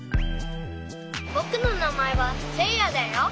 ぼくのなまえはせいやだよ。